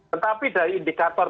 tetapi dari indikator